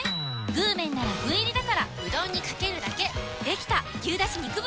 具麺なら具入りだからうどんにかけるだけできた！